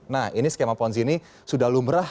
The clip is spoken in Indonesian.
nah ini skema ponzi ini sudah lumrah